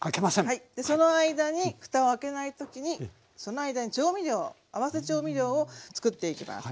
その間にふたを開けない時にその間に調味料を合わせ調味料を作っていきます。